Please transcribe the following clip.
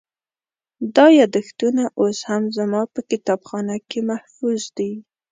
دا یادښتونه اوس هم زما په کتابخانه کې محفوظ دي.